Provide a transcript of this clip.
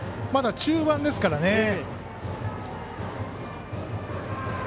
まだ中盤ですからね。